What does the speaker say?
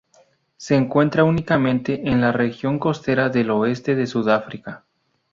Se encuentra únicamente en la región costera del oeste de Sudáfrica.